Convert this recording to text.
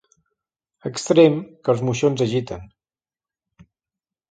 Extrem que els moixons agiten.